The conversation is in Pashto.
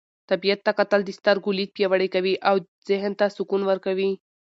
طبیعت ته کتل د سترګو لید پیاوړی کوي او ذهن ته سکون ورکوي.